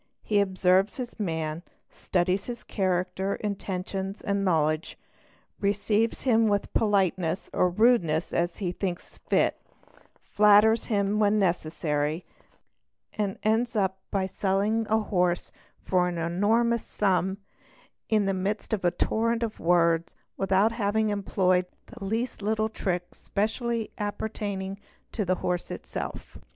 He observes his man, studies his haracter, intentions, and knowledge, receives him with politeness or 796 CHEATING AND FRAUD rudeness as he thinks fit, flatters him when necessary, and ends up by selling a horse for an enormous sum and in the midst of a torrent of words, without having employed the least little trick specially apper — taining to the horse itself.